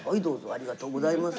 ありがとうございます。